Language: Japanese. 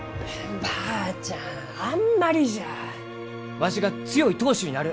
わしが強い当主になる。